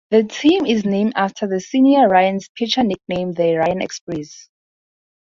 The team is named after the senior Ryan's pitcher nickname, "The Ryan Express".